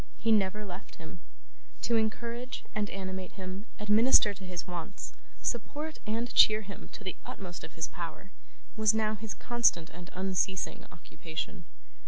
He never left him. To encourage and animate him, administer to his wants, support and cheer him to the utmost of his power, was now his constant and unceasing occupation.